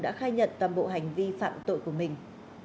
đã khai nhận toàn bộ hành vi phạm tội của mình